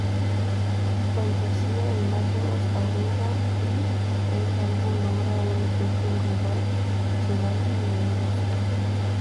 Fantasía e imágenes abundan y el álbum logra un efecto global, sedante y doloroso.